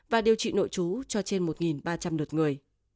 và điều trị nội trú cho trên một ba trăm linh lượt người